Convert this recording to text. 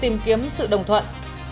tìm kiếm sự đồng thuận